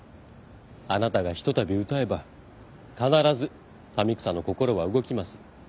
あなたがひとたび歌えば必ず民草の心は動きます。